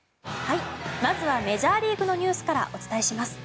まずはメジャーリーグのニュースからお伝えします。